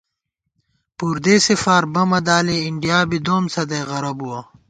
پُردېسےفار بَمہ دالی اِنڈِیا بی دوم څھدَئی غرہ بُوَہ